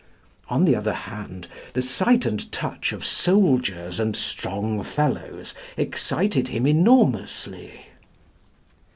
On the other hand, the sight and touch of soldiers and strong fellows excited him enormously.